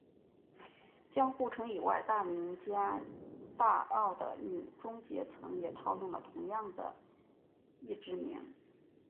江户城以外大名家大奥的女中阶层也套用了同样的役职名。